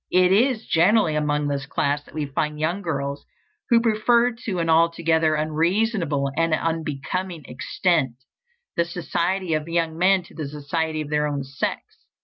It is generally among this class that we find young girls who prefer to an altogether unreasonable and unbecoming extent, the society of young men to the society of their own sex.